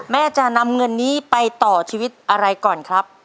แม่จะนำเงินนี้ไปต่อชีวิตอะไรก่อนครับ